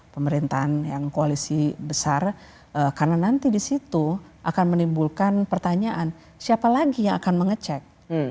pemerintahan yang koalisi besar karena nanti di situ akan menimbulkan pertanyaan siapa lagi yang akan mengecek